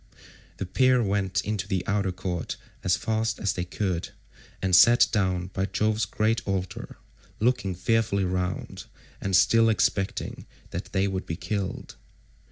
The pair went into the outer court as fast as they could, and sat down by Jove's great altar, looking fearfully round, and still expecting that they would be killed.